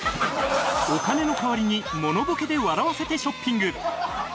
お金の代わりにモノボケで笑わせてショッピング